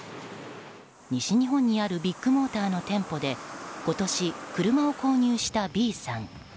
西日本にあるビッグモーターの店舗で今年、車を購入したＢさん。